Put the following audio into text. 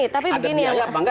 ada biaya apa enggak nanti mas